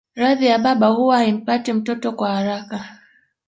Radhi ya baba huwa haimpati mtoto kwa haraka